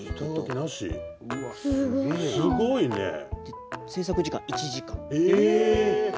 すごいね！